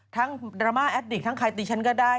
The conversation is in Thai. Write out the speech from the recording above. ดราม่าแอดดิกทั้งใครตีฉันก็ได้